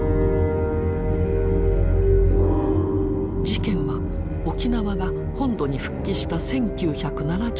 事件は沖縄が本土に復帰した１９７２年。